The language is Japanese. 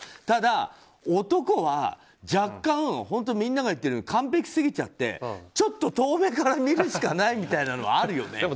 ただ、男は若干みんなが言ってるように完璧すぎちゃってちょっと遠めから見るしかないみたいなのはあるよね。